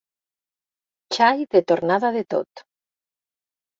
Xai de tornada de tot.